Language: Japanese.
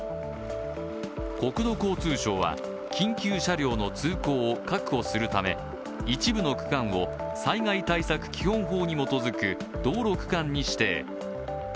国土交通省は緊急車両の通行を確保するため一部の区間を災害対策基本法に基づく道路区間に指定。